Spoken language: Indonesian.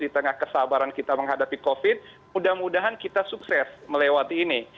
di tengah kesabaran kita menghadapi covid mudah mudahan kita sukses melewati ini